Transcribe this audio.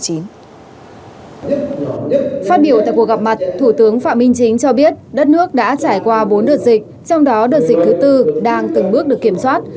phát biểu tại cuộc gặp mặt thủ tướng phạm minh chính cho biết đất nước đã trải qua bốn đợt dịch trong đó đợt dịch thứ tư đang từng bước được kiểm soát